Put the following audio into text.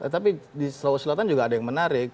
tapi di sulawesi selatan juga ada yang menarik